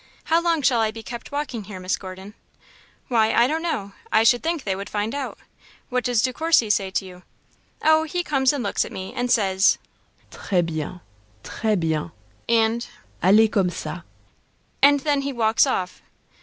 How long shall I be kept walking here, Miss Gordon?" "Why, I don't know; I should think they would find out. What does De Courcy say to you?" "O, he comes and looks at me, and says, 'Très bien très bien,' and 'Allez comme ça,' and then he walks off."